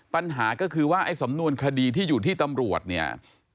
ปัญหาก็คือว่าไอ้สำนวนคดีที่อยู่ที่ตำรวจเนี่ย